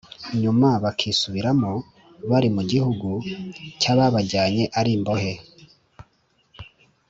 nyuma bakīsubiramo bari mu gihugu cy’ababajyanye ari imbohe